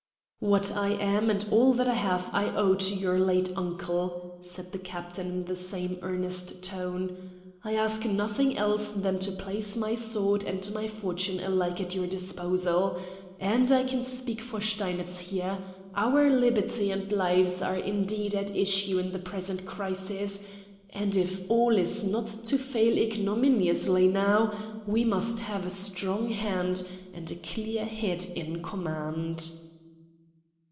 "What I am and all that I have I owe to your late uncle," said the captain in the same earnest tone. "I ask nothing else than to place my sword and my fortune alike at your disposal. And I can speak for Steinitz here. Our liberty and lives are indeed at issue in the present crisis; and if all is not to fail ignominiously now, we must have a strong hand and a clear head in command."